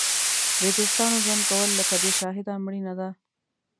بې دوستانو ژوند کول لکه بې شاهده مړینه ده.